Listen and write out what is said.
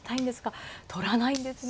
取らないんですね。